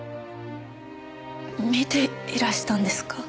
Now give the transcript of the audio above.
見ていらしたんですか？